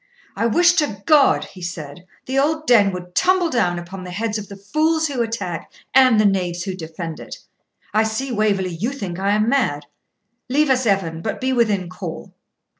'I wish to God,' he said, 'the old den would tumble down upon the heads of the fools who attack and the knaves who defend it! I see, Waverley, you think I am mad. Leave us, Evan, but be within call.'